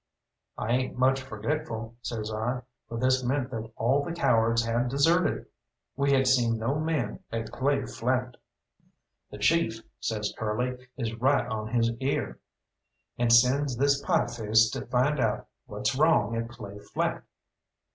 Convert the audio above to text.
"I ain't much forgetful," says I, for this meant that all the cowards had deserted! We had seen no men at Clay Flat. "The chief," says Curly, "is right on his ear, and sends this Pieface to find out what's wrong at Clay Flat."